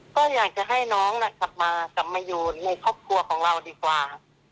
ก็อยากจะให้น้องกลับมากลับมาอยู่ในครอบครัวของเราดีกว่า